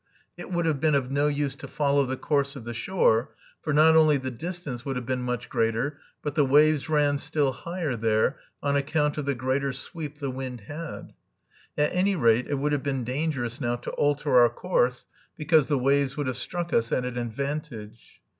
It would have been of no use to follow the course of the shore, for not only the distance would have been much greater, but the waves ran still higher there on account of the greater sweep the wind had. At any rate it would have been dangerous now to alter our course, because the waves would have struck us at an advantage.